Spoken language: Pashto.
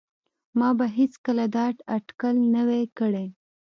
ما به هیڅکله دا اټکل نه وای کړی